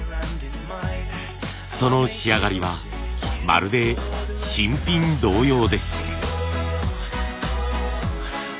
その仕上がりはまるで新品同様です。